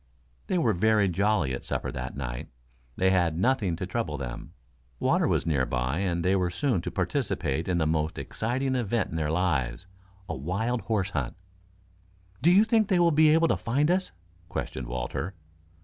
They were very jolly at supper that night. They had nothing to trouble them. Water was near by and they were soon to participate in the most exciting event in their lives, a wild horse hunt. "Do you think they will be able to find us!" questioned Walter.